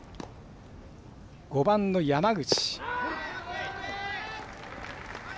５番の山口。